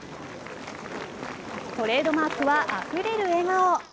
トレードマークはあふれる笑顔。